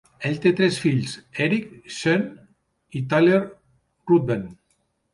Ell té tres fills, Erik, Sean i Tyler Ruthven.